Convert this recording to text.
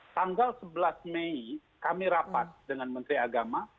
tanggal sebelas mei kami rapat dengan menteri agama